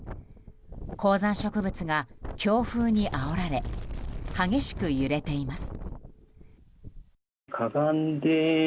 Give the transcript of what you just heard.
高山植物が強風にあおられ激しく揺れています。